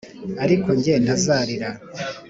ariko ko nge ntazarira!